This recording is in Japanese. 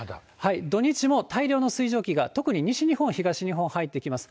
土日も大量の水蒸気が、特に西日本、東日本に入ってきます。